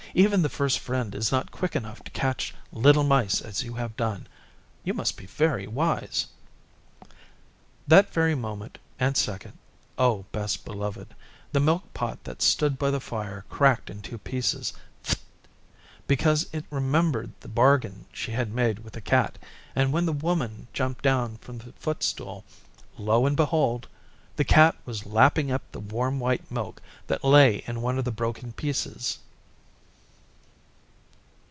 Even the First Friend is not quick enough to catch little mice as you have done. You must be very wise.' That very moment and second, O Best Beloved, the Milk pot that stood by the fire cracked in two pieces ffft because it remembered the bargain she had made with the Cat, and when the Woman jumped down from the footstool lo and behold! the Cat was lapping up the warm white milk that lay in one of the broken pieces.